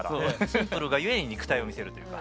シンプルがゆえに肉体を見せるという。